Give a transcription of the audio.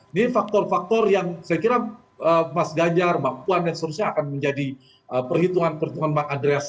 ini faktor faktor yang saya kira mas ganjar mbak puan dan seterusnya akan menjadi perhitungan perhitungan bang andreas